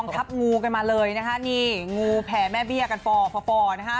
ทับงูกันมาเลยนะคะนี่งูแผ่แม่เบี้ยกันฟอฟฟอนะคะ